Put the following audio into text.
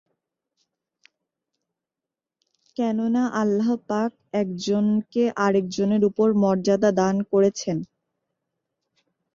কেননা আল্লাহ পাক একজনকে আরেক জনের উপর মর্যাদা দান করেছেন।